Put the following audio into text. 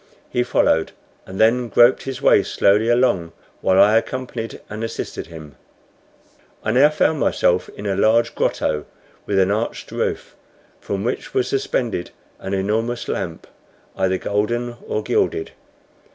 He followed, and then groped his way slowly along, while I accompanied and assisted him. I now found myself in a large grotto with an arched roof, from which was suspended an enormous lamp, either golden or gilded.